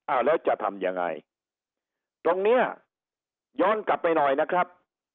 แล้วจะทำยังไงตรงเนี้ยย้อนกลับไปหน่อยนะครับ